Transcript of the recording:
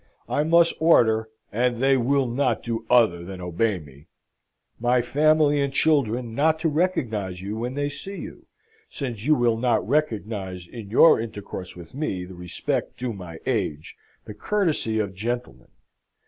I must order and they will not do other than obey me my family and children not to recognise you when they see you, since you will not recognise in your intercourse with me the respect due to my age, the courtesy of gentlemen.